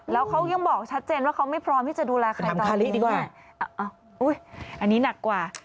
แล้วเขายังบอกชัดเจนว่าเขาไม่พร้อมที่จะดูแลใครตอนนี้ดีกว่าอุ้ยอันนี้หนักกว่า